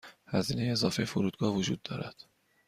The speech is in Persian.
هزینه اضافه فرودگاه وجود دارد.